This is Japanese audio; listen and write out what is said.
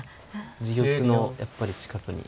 自玉のやっぱり近くに。